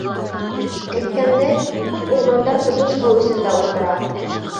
Әйткәндәй, күп урмандар тотош һыу эсендә ултыра.